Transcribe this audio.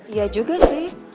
iya juga sih